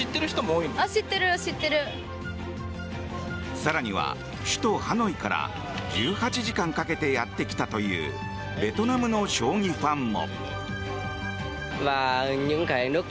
更には首都ハノイから１８時間かけてやってきたというベトナムの将棋ファンも。